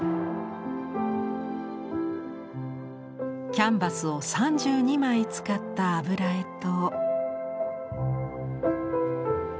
キャンバスを３２枚使った油絵と。